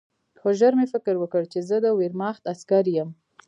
خو ژر مې فکر وکړ چې زه د ویرماخت عسکر یم